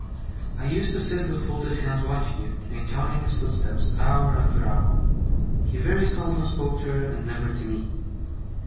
I used to sit with folded hands watching him, and counting his footsteps, hour after hour. He very seldom spoke to her, and never to me.